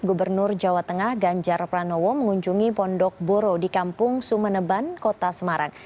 gubernur jawa tengah ganjar pranowo mengunjungi pondok boro di kampung sumeneban kota semarang